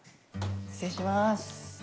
失礼します。